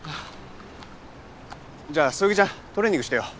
じゃあそよぎちゃんトレーニングしてよ。